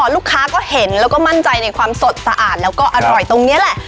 ลูกค้าก็เห็นแล้วก็มั่นใจในความสดสะอาดแล้วก็อร่อยตรงนี้แหละ